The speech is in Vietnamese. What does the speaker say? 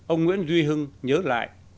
ông nguyễn duy hưng nhớ lại